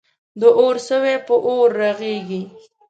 د اور سوی په اور رغیږی.